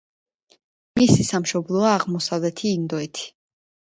მისი სამშობლოა აღმოსავლეთი ინდოეთი.